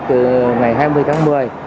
từ ngày hai mươi tháng một mươi